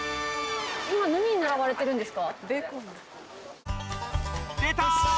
今、何に並ばれてるんですか？